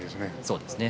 そうですか。